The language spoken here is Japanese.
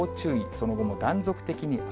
その後も断続的に雨。